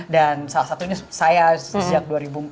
dan salah satunya saya sejak dua ribu empat belas